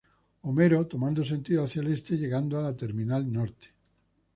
Homero, tomando sentido hacia el este llegando a la terminal norte.